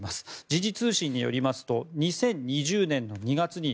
時事通信によりますと２０２０年の２月に